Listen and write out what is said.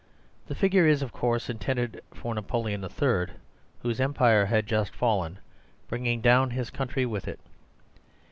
The figure is, of course, intended for Napoleon III., whose Empire had just fallen, bringing down his country with it.